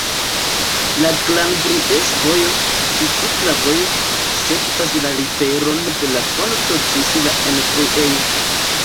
La Glan-Blies-vojo, bicikla vojo, sekvas la riveron de la fonto ĝis la enfluejo.